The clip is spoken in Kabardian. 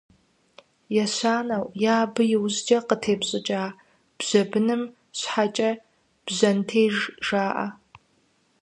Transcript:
Ещанэу е абы и ужькӏэ къытепщӏыкӏа бжьэ быным щхьэкӏэ «бжьэнтеж» жаӏэ.